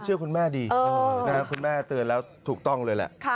เชื่อคุณแม่ดีคุณแม่เตือนแล้วถูกต้องเลยแหละ